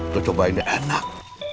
lo cobain ya enak